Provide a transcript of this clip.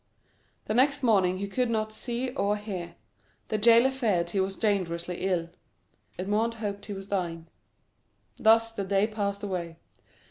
The next morning he could not see or hear; the jailer feared he was dangerously ill. Edmond hoped he was dying. Thus the day passed away.